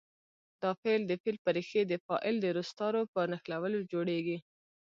دا فعل د فعل په ریښې د فاعل د روستارو په نښلولو جوړیږي.